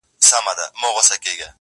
o بيا يوازيتوب دی بيا هغه راغلې نه ده.